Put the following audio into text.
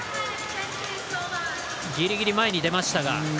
ギリギリ前に出ました。